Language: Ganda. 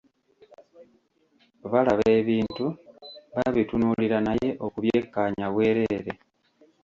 Balaba ebintu, babitunuulira, naye okubyekkaanya bwereere.